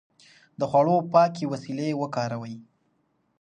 د خوړو پاکې وسيلې وکاروئ.